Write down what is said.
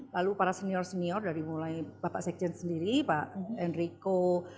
lalu para senior senior dari mulai bapak sekjen sendiri pak enrico